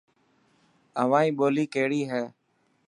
اوهائي ٻولي ڪهڙي هي.